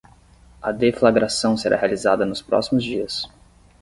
A deflagração será realizada nos próximos dias